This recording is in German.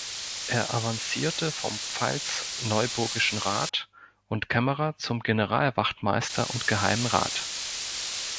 Er avancierte vom pfalz-neuburgischen Rat und Kämmerer zum Generalwachtmeister und Geheimen Rat.